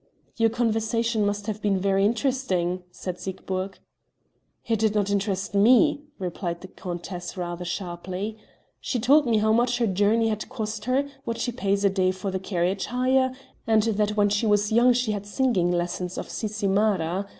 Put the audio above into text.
"Your conversation must have been very interesting," said Siegburg. "It did not interest me," replied the countess rather sharply. "She told me how much her journey had cost her, what she pays a day for carriage hire, and that when she was young she had singing lessons of Cicimara.